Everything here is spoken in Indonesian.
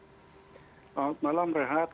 selamat malam rehat